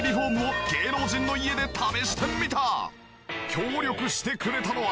協力してくれたのは。